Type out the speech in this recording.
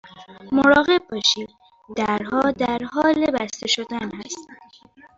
مراقب باشید، درها در حال بسته شدن هستند.